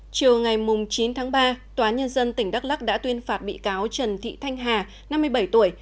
chiều ngày chín tháng ba tòa nhân dân tỉnh đắk lắc đã tuyên phạt bị cáo trần thị thanh hà năm mươi bảy tuổi